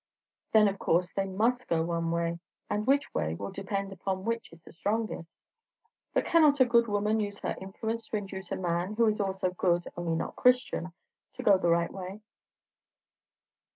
Then of course they must go one way; and which way, will depend upon which is strongest. But cannot a good woman use her influence to induce a man who is also good, only not Christian, to go the right way?